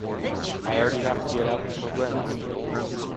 I already have to get out in Koblenz.